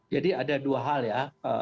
jadi ada dua hal ya